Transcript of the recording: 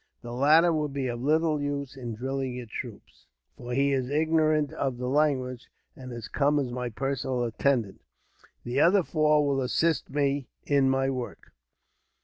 The latter will be of little use in drilling your troops, for he is ignorant of the language, and has come as my personal attendant. The other four will assist me in my work.